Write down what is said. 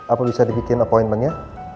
apa bisa dibikin appointment nya